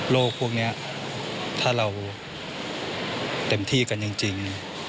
พวกนี้ถ้าเราเต็มที่กันจริง